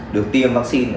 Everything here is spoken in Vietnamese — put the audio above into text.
được tiêm vaccine